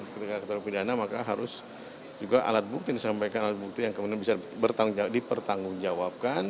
ketika keterangan pidana maka harus juga alat bukti yang disampaikan alat bukti yang kemudian bisa dipertanggungjawabkan